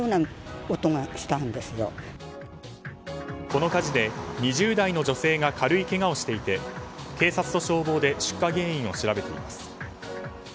この火事で、２０代の女性が軽いけがをしていて警察と消防で出火原因を調べています。